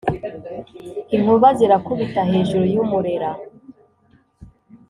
Inkuba zirakubita hejuru y'umurera